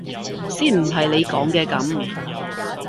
先唔係你講嘅噉！